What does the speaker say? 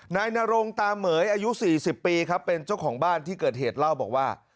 นายนรงตามเหม๋ยอายุ๔๐ปีครับเป็นเจ้าของบ้านที่เกิดเหตุเล่าบอกว่า